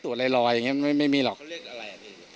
ตรวจอะไรรอยอย่างเงี้ยมันไม่ไม่มีหรอกเขาเรียกอะไร